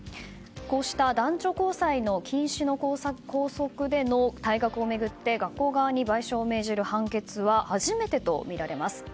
こうした男女交際の禁止の校則での退学を巡って学校側に賠償を命じる判決は初めてとみられます。